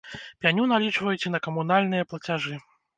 Пеню налічваюць і на камунальныя плацяжы.